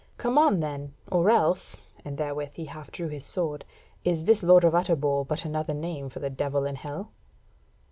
Come on then, or else (and therewith he half drew his sword) is this Lord of Utterbol but another name for the Devil in Hell?"